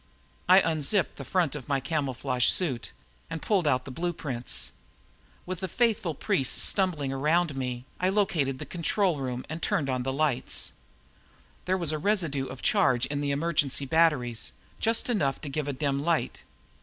I unzipped the front of my camouflage suit and pulled out the blueprints. With the faithful priests stumbling after me, I located the control room and turned on the lights. There was a residue of charge in the emergency batteries, just enough to give a dim light.